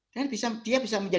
dan dia bisa menjaga